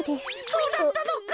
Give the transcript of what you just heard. そうだったのか！